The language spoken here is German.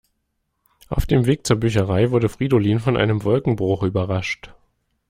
Auf dem Weg zur Bücherei wurde Fridolin von einem Wolkenbruch überrascht.